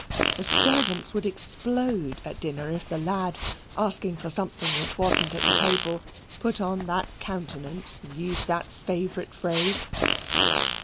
The servants would explode at dinner if the lad, asking for something which wasn't at table, put on that countenance and used that favourite phrase.